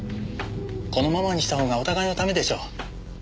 このままにした方がお互いのためでしょ。